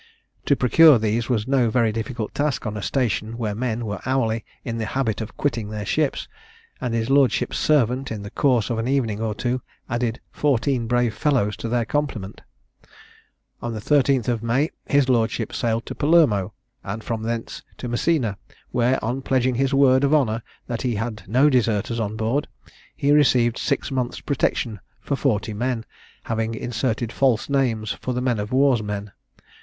To procure these was no very difficult task on a station where men were hourly in the habit of quitting their ships; and his lordship's servant, in the course of an evening or two, added fourteen brave fellows to their complement. On the 13th of May his lordship sailed to Palermo, and from thence to Messina, where, on pledging his word of honour that he had no deserters on board, he received a six months' protection for forty men, having inserted false names for the men of war's men.